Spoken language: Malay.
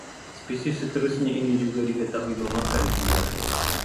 Spesies seterusnya ini juga diketahui memakan tumbuhan